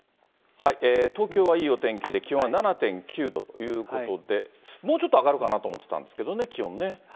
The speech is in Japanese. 東京はいいお天気で、気温は７．９度ということで、もうちょっと上がるかなと思ってたんですけどね、気温ね。